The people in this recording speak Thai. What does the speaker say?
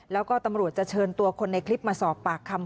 แล้วก็ตำรวจจะเชิญตัวคนในคลิปมาสอบปากคำ